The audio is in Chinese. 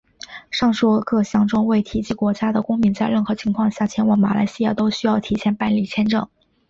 上述各项中未提及国家的公民在任何情况下前往马来西亚都需要提前办理签证。